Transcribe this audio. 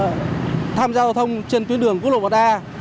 trong quá trình bà con người tham gia giao thông trên tuyến đường cuối lộ một a